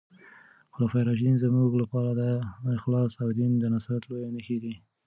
خلفای راشدین زموږ لپاره د اخلاص او د دین د نصرت لويې نښې دي.